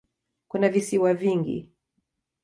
Kuna visiwa vingi.